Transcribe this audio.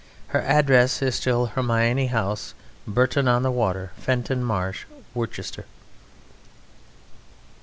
Her address is still Hermione House, Bourton on the Water Fenton Marsh, Worcester."